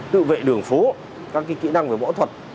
tự vệ đường phố các cái kỹ năng về mẫu thuật